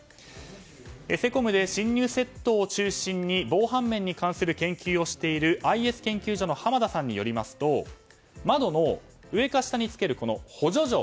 セコムで侵入セットを中心に防犯面に関する研究をしているＩＳ研究所の濱田さんによりますと窓の上か下につける補助錠